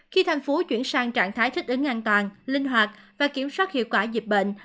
khi thành phố chuyển sang trạng thái thích ứng an toàn linh hoạt và kiểm soát hiệu quả dịch bệnh